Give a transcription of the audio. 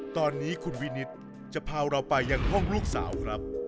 ตอนนี้คุณวินิตจะพาเราไปยังห้องลูกสาวครับ